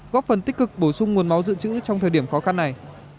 góp phần tích cực bổ sung nguồn máu dự trữ trong thời điểm khó khăn này